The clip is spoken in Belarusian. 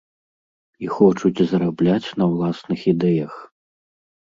І хочуць зарабляць на ўласных ідэях.